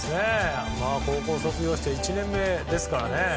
高校卒業して１年目ですからね。